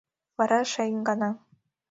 Вара эше ик гана.